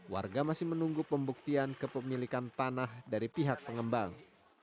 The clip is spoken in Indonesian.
warga masih menunggu pembuktian kepemilikan tanah dari pihak pengembang